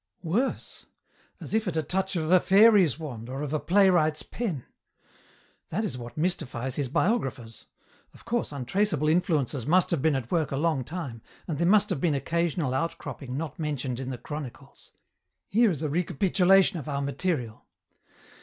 "Worse. As if at a touch of a fairy's wand or of a playwright's pen. That is what mystifies his biographers. Of course untraceable influences must have been at work a long time, and there must have been occasional outcropping not mentioned in the chronicles. Here is a recapitulation of our material.